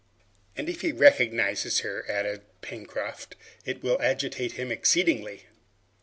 "And if he recognizes her," added Pencroft, "it will agitate him exceedingly!"